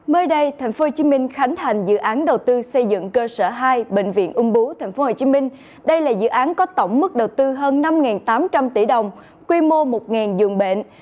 mới đây tp hcm khánh thành dự án đầu tư xây dựng cơ sở hai bệnh viện ung bú tp hcm đây là dự án có tổng mức đầu tư hơn năm tám trăm linh tỷ đồng quy mô một giường bệnh